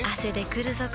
くるぞ？